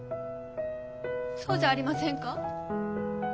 そうじゃありませんか？